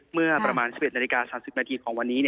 เมื่อประมาณ๑๑นาฬิกา๓๐นาทีของวันนี้